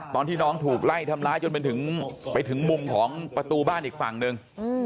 ตอนที่น้องถูกไล่ทำร้ายจนไปถึงมุมของประตูบ้านอีกฝั่งหนึ่ง